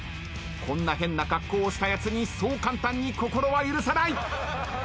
こんな変な格好をしたやつにそう簡単に心は許さない。